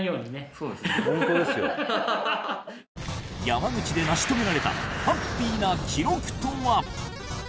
山口で成し遂げられたハッピーな記録とは？